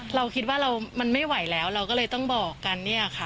เราคิดว่าเรามันไม่ไหวแล้วเราก็เลยต้องบอกกันเนี่ยค่ะ